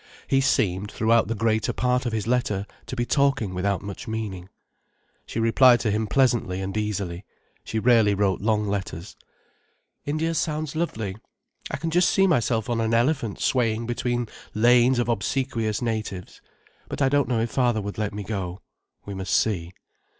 He seemed, throughout the greater part of his letter, to be talking without much meaning. She replied to him pleasantly and easily. She rarely wrote long letters. "India sounds lovely. I can just see myself on an elephant swaying between lanes of obsequious natives. But I don't know if father would let me go. We must see.